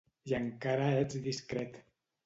I encara ets discret.